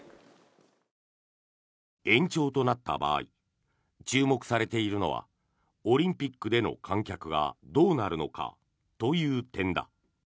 延長となった場合注目されているのはオリンピックでの観客がどうなるのかという点だ。